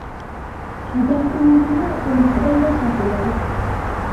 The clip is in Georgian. გადახურულია ორფერდა სახურავით.